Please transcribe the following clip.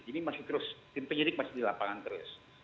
ini masih terus tim penyidik masih di lapangan terus